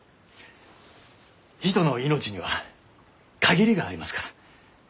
人の命には限りがありますから。